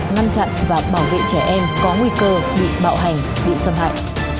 ngăn chặn và bảo vệ trẻ em có nguy cơ bị bạo hành bị xâm hại